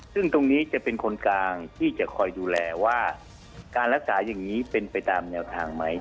ซึ่งตรงนี้จะเป็นคนกลางที่จะคอยดูแลว่าการรักษาอย่างนี้เป็นไปตามแนวทางไหม